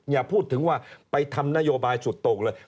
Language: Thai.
อย่าพูดถึงว่าไปทำนโยบายสุดตกเลย